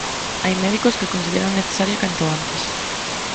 Hai médicos que a consideran necesaria canto antes.